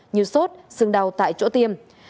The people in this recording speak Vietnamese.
như sốt sưng đau tại chỗ tiêm